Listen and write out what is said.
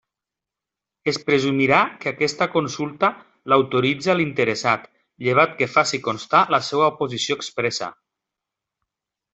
Es presumirà que aquesta consulta l'autoritza l'interessat, llevat que faci constar la seva oposició expressa.